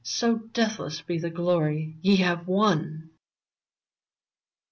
So deathless be the glory ye have won